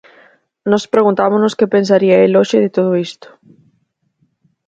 Nós preguntámonos que pensaría el hoxe de todo isto.